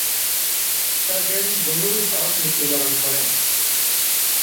Sergeant Zahurul Haq মৃত্যুবরণ করেন।